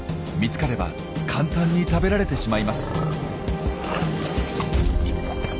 見つかれば簡単に食べられてしまいます。